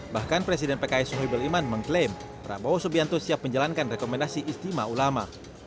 bahkan presiden pks sohibul iman mengklaim prabowo subianto siap menjalankan rekomendasi istimewa ulama